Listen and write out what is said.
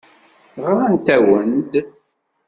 Ɣrant-awen-d.